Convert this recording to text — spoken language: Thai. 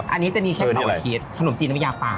อันนี้จะมีแค่สองเคสขนมจีนน้ำยาปลา